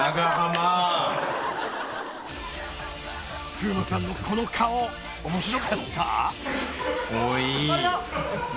［風磨さんのこの顔面白かった？］